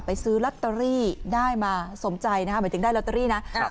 ไปซื้อลัตเตอรี่ได้มาสมใจนะคะเหมือนถึงได้ลัตเตอรี่นะครับ